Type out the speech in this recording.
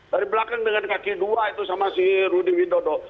dari belakang dengan kaki dua itu sama si rudy widodo